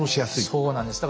そうなんです。